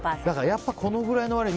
やっぱりこのくらいの割合。